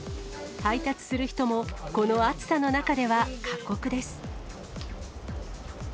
配達する人も、この暑さの中では、過酷です。